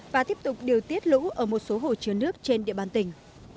và tiếp tục điều tiết lũ ở một số hồ chứa nước trên địa bàn tỉnh